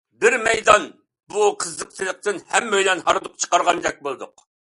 بىر مەيدان بۇ قىزىقچىلىقتىن ھەممەيلەن ھاردۇق چىقارغاندەك بولدى.